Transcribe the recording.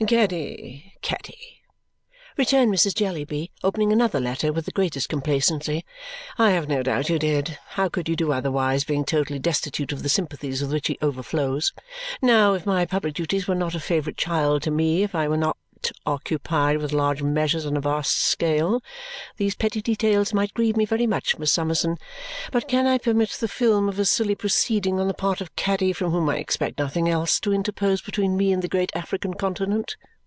"Caddy, Caddy!" returned Mrs. Jellyby, opening another letter with the greatest complacency. "I have no doubt you did. How could you do otherwise, being totally destitute of the sympathies with which he overflows! Now, if my public duties were not a favourite child to me, if I were not occupied with large measures on a vast scale, these petty details might grieve me very much, Miss Summerson. But can I permit the film of a silly proceeding on the part of Caddy (from whom I expect nothing else) to interpose between me and the great African continent?